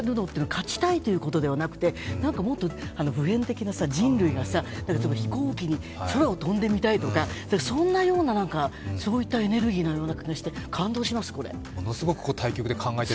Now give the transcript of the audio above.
そこをやるというのは勝ちたいということではなくて、何かもっと普遍的な、人類が、飛行機に空を飛んでみたいとかそんなような、そういったエネルギーのような気がして感動します、これ。